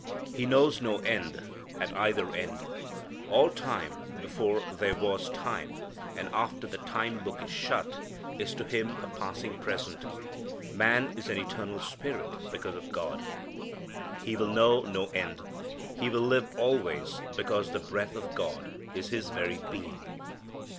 He knows no end, at either end. All time before there was time, and after the time book is shut, is to Him a passing present. Man is an eternal spirit, because of God. He will know no end. He will live always because the breath of God is his very being.